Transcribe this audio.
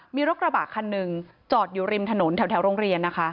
มีรถกระบะคันหนึ่งจอดอยู่ริมถนนแถวโรงเรียนนะคะ